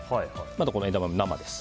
この枝豆、生です。